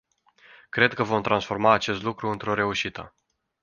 Cred că vom transforma acest lucru într-o reușită.